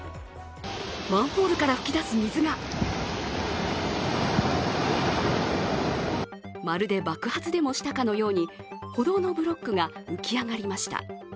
マンホールから噴き出す水がまるで爆発でもしたかのように歩道のブロックが浮き上がりました。